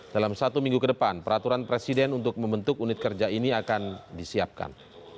dalam satu minggu ke depan peraturan presiden untuk membentuk unit kerja ini akan disiapkan